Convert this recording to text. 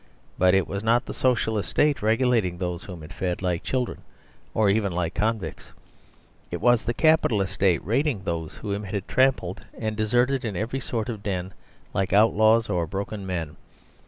But it was not the Socialist State regulating those whom it fed, like children or even like convicts. It was the Capitalist State raiding those whom it had trampled and deserted in every sort of den, like outlaws or broken men.